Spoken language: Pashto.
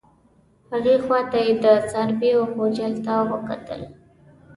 هغې خوا ته یې د څارویو غوجل ته کتل.